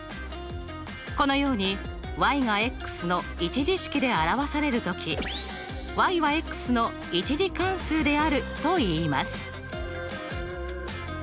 このようにがの１次式で表される時はの１次関数であるといいます。